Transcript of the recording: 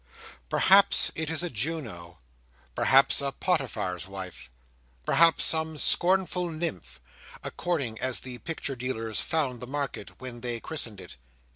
Perhaps it is a Juno; perhaps a Potiphar's Wife"; perhaps some scornful Nymph—according as the Picture Dealers found the market, when they christened it.